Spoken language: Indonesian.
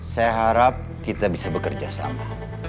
saya harap kita bisa bekerja sama